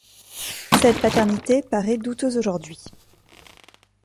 Cette paternité paraît douteuse aujourd'hui.